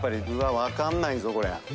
分かんないぞこれ。